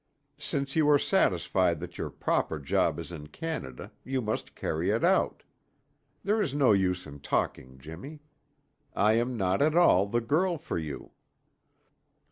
"Since you are satisfied that your proper job is in Canada, you must carry it out. There is no use in talking, Jimmy. I am not at all the girl for you."